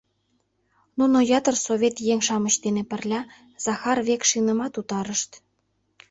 Нуно ятыр совет еҥ-шамыч дене пырля Захар Векшинымат утарышт.